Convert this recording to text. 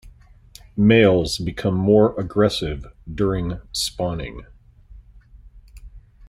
Males become more aggressive during spawning.